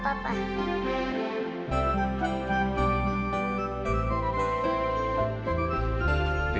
terima kasih papa